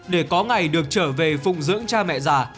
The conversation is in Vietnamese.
để có ngày được trở về phụng dưỡng cha mẹ già